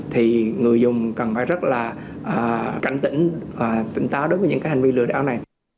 thì người dùng cần phải rất là cảnh tỉnh và tỉnh táo đối với những hành vi lừa đảo này